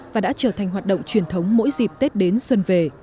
và đã trở thành hoạt động truyền thống mỗi dịp tết đến xuân về